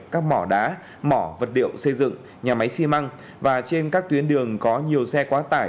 các mỏ đá mỏ vật liệu xây dựng nhà máy xi măng và trên các tuyến đường có nhiều xe quá tải